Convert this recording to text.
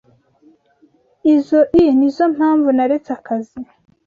Izoi nizoo mpamvu naretse akazi.